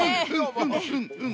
うんうん。